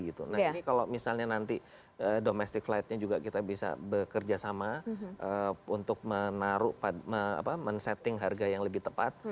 nah ini kalau misalnya nanti domestic flight nya juga kita bisa bekerja sama untuk menaruh men setting harga yang lebih tepat